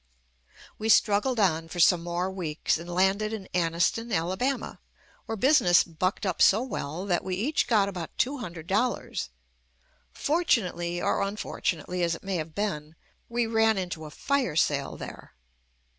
We struggled on for some more weeks and JUST ME landed in Anniston, Alabama, where business bucked up so well that we each got about two hundred dollars. Fortunately or unfortunate ly as it may have been, we ran into a "fire sale" there.